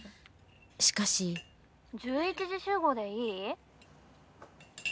しかし☎１１時集合でいい？